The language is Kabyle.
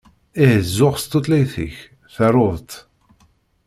Ihi zuxx s tutlayt-ik, taruḍ-tt!